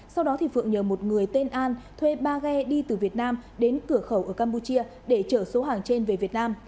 sau đó phượng nhờ một người tên an thuê ba ghe đi từ việt nam đến cửa khẩu ở campuchia để chở số hàng trên về việt nam